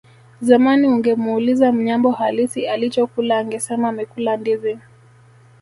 Zamani ungemuuliza Mnyambo halisi alichokula angesema amekula ndizi